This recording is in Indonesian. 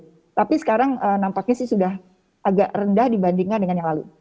tapi sekarang nampaknya sih sudah agak rendah dibandingkan dengan yang lalu